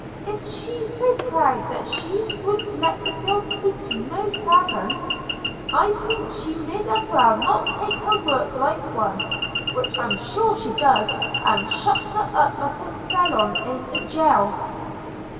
– If she's so proud that she won't let the girl speak to no sarvants, I think she mid as well not make her work like one – which I'm sure she does, and shuts her up like a felon in a jail.'